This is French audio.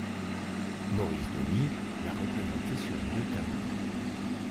Maurice Denis l'a représenté sur deux tableaux.